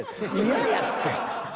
嫌やって。